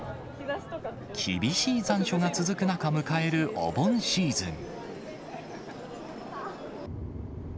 厳しい残暑が続く中、迎えるお盆シーズン。